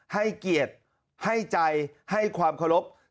ให้เกียรติให้ใจให้ความเคารพ